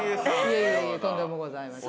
いえいえとんでもございません。